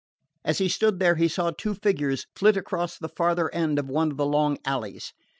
As he stood there he saw two figures flit across the farther end of one of the long alleys.